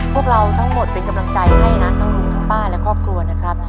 พวกเราทั้งหมดเป็นกำลังใจให้นะทั้งลุงทั้งป้าและครอบครัวนะครับ